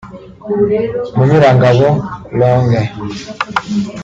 Munyurangabo Longin